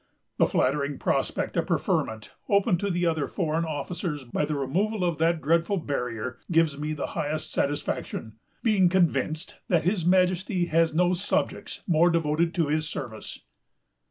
The flattering prospect of preferment, open to the other foreign officers by the removal of that dreadful barrier, gives me the highest satisfaction, being convinced that his Majesty has no subjects more devoted to his service."